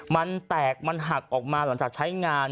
มันแตกมันหักออกมาหลังจากใช้งาน